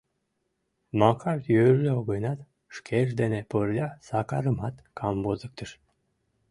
Макар йӧрльӧ гынат, шкеж дене пырля Сакарымат камвозыктыш.